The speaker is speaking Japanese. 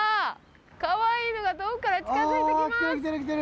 かわいいのが遠くから近づいてきます。